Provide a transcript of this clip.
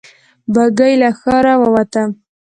بګۍ له ښاره ووته.